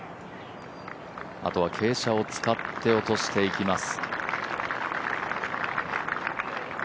あとは傾斜を使って落としていきます。